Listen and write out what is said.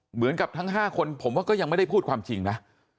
เหมือนกับทั้ง๕คนผมว่าก็ยังไม่ได้พูดความจริงนะ